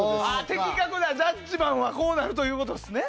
的確なジャッジマンはこうなるということですね。